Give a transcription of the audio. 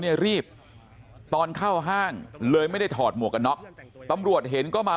เนี่ยรีบตอนเข้าห้างเลยไม่ได้ถอดหมวกกันน็อกตำรวจเห็นก็มา